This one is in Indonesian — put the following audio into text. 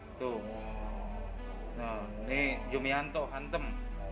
tuh ini jumianto hantem